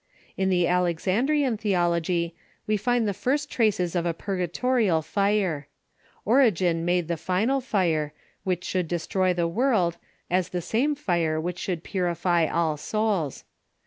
In the Alexandrian theolog}', we find the first traces of a purga torial fire. Origen made the final fire, which should destroy 68 THE EARLY CIIUECH the world, as the same fire which should purify all souls.